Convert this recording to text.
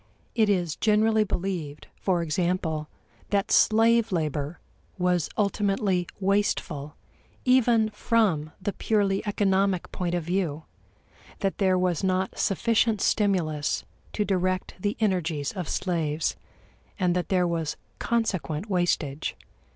It is generally believed, for example, that slave labor was ultimately wasteful even from the purely economic point of view that there was not sufficient stimulus to direct the energies of slaves, and that there was consequent wastage.